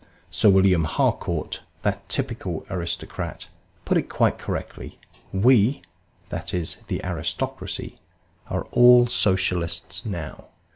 Sir William Harcourt, that typical aristocrat, put it quite correctly. "We" (that is, the aristocracy) "are all Socialists now."